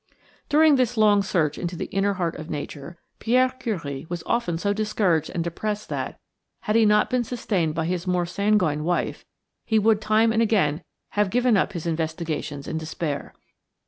During this long search into the inner heart of nature, Pierre Curie was often so discouraged and depressed that, had he not been sustained by his more sanguine wife, he would time and again have given up his investigations in despair.